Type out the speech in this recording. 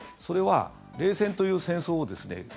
それは冷戦という戦争をですね